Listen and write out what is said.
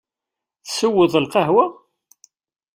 Tesseweḍ lqahwa?